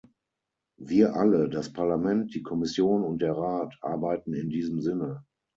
Wir alle, das Parlament, die Kommission und der Rat, arbeiten in diesem Sinne.